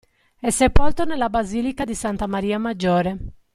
È sepolto nella Basilica di Santa Maria Maggiore.